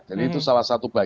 jadi itu salah satu bagian